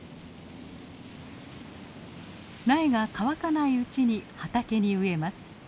苗が乾かないうちに畑に植えます。